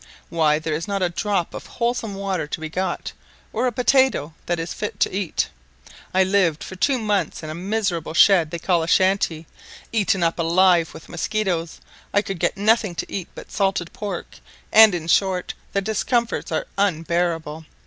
Why, there is not a drop of wholesome water to be got, or a potato that is fit to eat. I lived for two months in a miserable shed they call a shanty, eaten up alive with mosquitoes. I could get nothing to eat but salted pork, and, in short, the discomforts are unbearable.